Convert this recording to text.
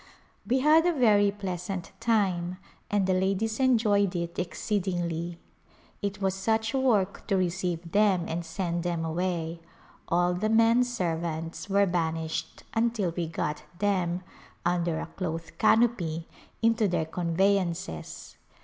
We had a very pleasant time and the ladies enjoyed it exceed ingly. It was such work to receive them and send them away ; all the men servants were banished until we got them — under a cloth canopy — into their convey ances.